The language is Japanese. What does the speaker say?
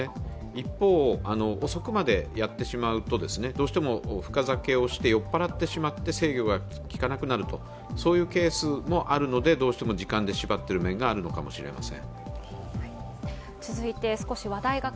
一方、遅くまでやってしまうと、どうしても深酒をして酔っ払ってしまって制御が利かなくなると、そういうケースもあるので、どうしても時間で縛っている面があるのかもしれません。